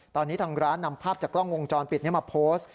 ตอนนี้ทางร้านนำภาพจากกล้องวงจรปิดนี้มาโพสต์